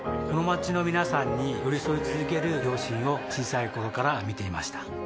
この街の皆さんに寄り添い続ける両親を小さい頃から見ていました